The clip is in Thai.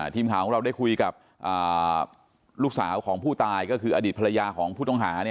ทีมข่าวของเราได้คุยกับลูกสาวของผู้ตายก็คืออดีตภรรยาของผู้ต้องหา